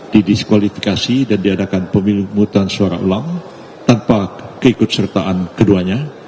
didiskualifikasi dan diadakan pemimutan suara ulang tanpa keikutsertaan keduanya